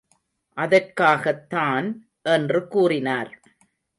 அதற்காகத்தான் என்று கூறினார்.